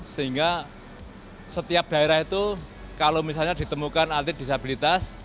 sehingga setiap daerah itu kalau misalnya ditemukan atlet disabilitas